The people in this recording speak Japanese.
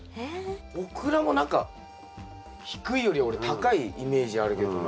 オクラも何か低いよりは俺高いイメージあるけどな。